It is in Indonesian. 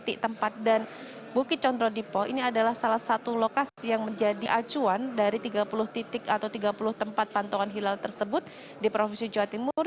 di tempat dan bukit condro dipo ini adalah salah satu lokasi yang menjadi acuan dari tiga puluh titik atau tiga puluh tempat pantauan hilal tersebut di provinsi jawa timur